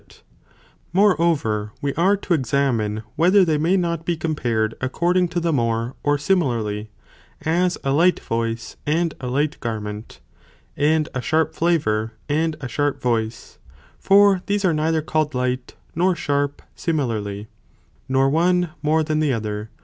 Whether Moreover, (we are to examine) whether they comparison may not be compared according to the more, or the more, or similarly, as a light voice, and a light garment, ea and a sharp flavour, and a sharp voice, for these are neither called light nor sharp similarly, nor one, more than the other.